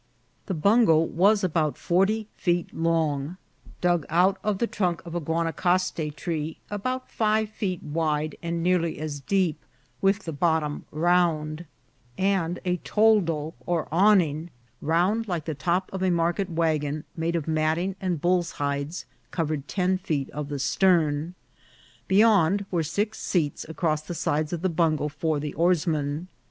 The bungo was about forty feet long, dug out of the trunk of a Guanacaste tree, about five feet wide and nearly as deep, with the bottom round, and a toldo or awning, round like the top of a market wagon, made of matting and bulls' hides, covered ten feet of the stern. Beyond were six seats across the sides of the bungo for the oarsmen.